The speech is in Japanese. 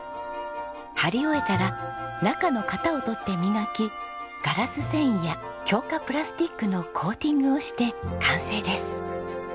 貼り終えたら中の型を取って磨きガラス繊維や強化プラスチックのコーティングをして完成です。